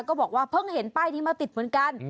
ก็บอกว่าเพิ่งเห็นป้ายนี้มาติดเหมือนกัน